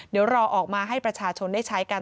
เดี๋ยวรอออกมาให้ประชาชนได้ใช้กัน